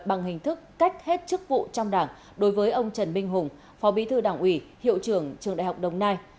bằng hình thức cách hết chức vụ trong đảng đối với ông trần minh hùng phó bí thư đảng ủy hiệu trưởng trường đại học đồng nai